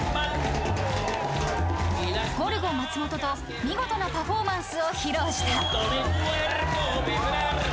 ［ゴルゴ松本と見事なパフォーマンスを披露した］